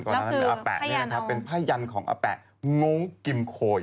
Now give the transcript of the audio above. แล้วคือพ่ายันเอาเป็นพ่ายันของอแปะงงกิมโคย